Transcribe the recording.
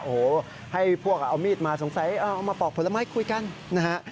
โอ้โหให้พวกเอามีดมาสงสัยเอามาปอกผลไม้คุยกันนะฮะ